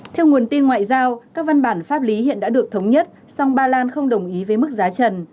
theo nguồn tin ngoại giao các văn bản pháp lý hiện đã được thống nhất song ba lan không đồng ý với mức giá trần